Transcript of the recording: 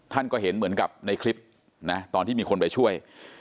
ท่านก็เห็นเหมือนกับในคลิปนะตอนที่มีคนไปช่วย